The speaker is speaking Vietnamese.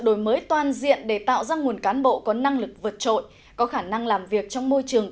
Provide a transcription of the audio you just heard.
đổi mới toàn diện để tạo ra nguồn cán bộ có năng lực vượt trội có khả năng làm việc trong môi trường